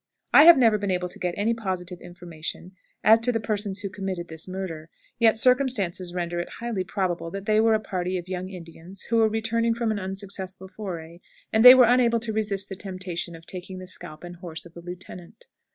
I have never been able to get any positive information as to the persons who committed this murder, yet circumstances render it highly probable that they were a party of young Indians who were returning from an unsuccessful foray, and they were unable to resist the temptation of taking the scalp and horse of the lieutenant.